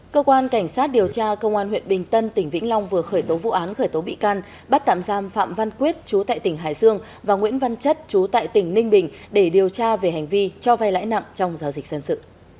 cơ quan cảnh sát điều tra công an huyện bình tân tỉnh vĩnh long vừa khởi tố vụ án khởi tố bị can bắt tạm giam phạm văn quyết chú tại tỉnh hải dương và nguyễn văn chất chú tại tỉnh ninh bình để điều tra về hành vi cho vay lãi nặng trong giao dịch dân sự